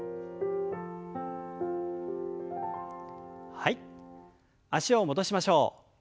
はい脚を戻しましょう。